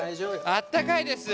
あったかいです。